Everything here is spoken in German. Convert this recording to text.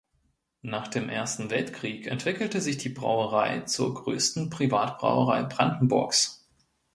Nach dem Ersten Weltkrieg entwickelte sich die Brauerei zur größten Privatbrauerei Brandenburgs.